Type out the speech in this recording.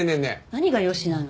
何が「よし」なの。